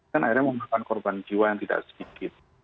kan akhirnya memakan korban jiwa yang tidak sedikit